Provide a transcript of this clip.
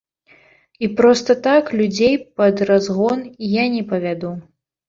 І проста так людзей пад разгон я не павяду.